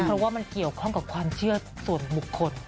เพราะว่ามันเกี่ยวข้องกับความเชื่อส่วนบุคคล